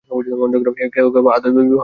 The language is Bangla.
কেহ কেহ বা আদৌই বিবাহ করে না।